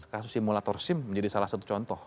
kasus simulator sim menjadi salah satu contoh